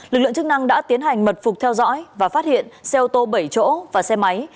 lực lượng chức năng đã tiến hành mật phục theo dõi và phát hiện xe ô tô bảy chỗ và xe máy